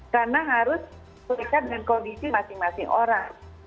karena harus berkondisi masing masing orang